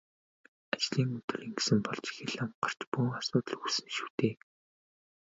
Ажлын өдөр ингэсэн бол ч хэл ам гарч бөөн асуудал үүснэ шүү дээ.